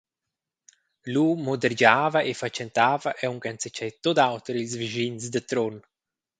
Lu mudergiava e fatschentava aunc enzatgei tut auter ils vischins da Trun.